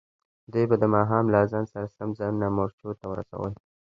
دوی به د ماښام له اذان سره سم ځانونه مورچو ته رسول.